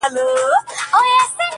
• سپینو پلوشو یې باطل کړي منترونه دي,